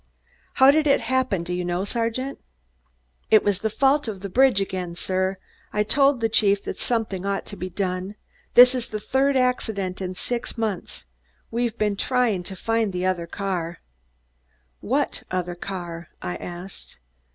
How did it happen, do you know, Sergeant?" "It was the fault of the bridge again, sir. I've told the chief that something ought to be done. This is the third accident in six months. We've been trying to find the other car." "What other car?" I asked.